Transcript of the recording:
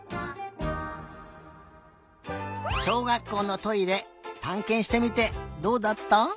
しょうがっこうのトイレたんけんしてみてどうだった？